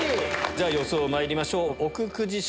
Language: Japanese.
じゃ予想まいりましょう。